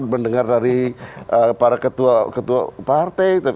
mendengar dari para ketua partai